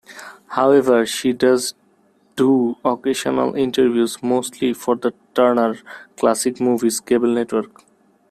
However, she does do occasional interviews, mostly for the Turner Classic Movies cable network.